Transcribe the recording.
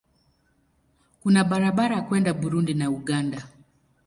Kuna barabara kwenda Burundi na Uganda.